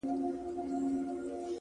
سیاه پوسي ده ـ جنگ دی جدل دی ـ